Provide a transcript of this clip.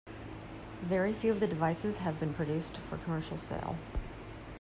Very few of the devices have been produced for commercial sale.